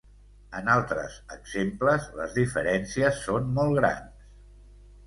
En altres exemples les diferències són molt grans.